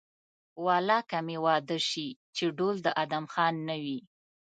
والله که مې واده شي چې ډول د ادم خان نه وي.